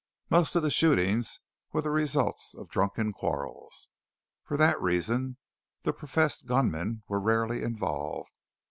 Most of the shootings were the results of drunken quarrels. For that reason the professed gunmen were rarely involved.